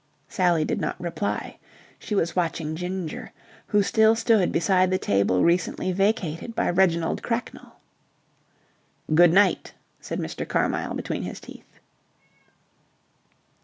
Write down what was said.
Sally did not reply. She was watching Ginger, who still stood beside the table recently vacated by Reginald Cracknell. "Good night," said Mr. Carmyle between his teeth.